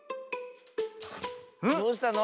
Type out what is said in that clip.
どうしたの？